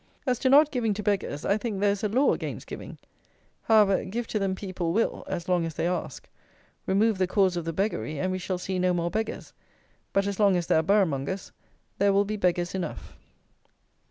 As to not giving to beggars, I think there is a law against giving! However, give to them people will, as long as they ask. Remove the cause of the beggary, and we shall see no more beggars; but as long as there are boroughmongers there will be beggars enough.